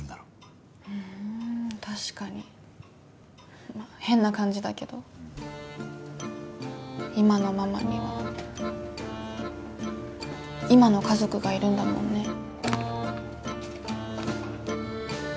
うん確かにまっ変な感じだけど今のママには今の家族がいるんだもんね